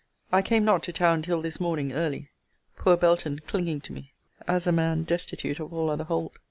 I came not to town till this morning early: poor Belton clinging to me, as a man destitute of all other hold.